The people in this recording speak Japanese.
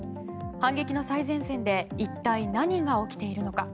反撃の最前線で一体、何が起きているのか。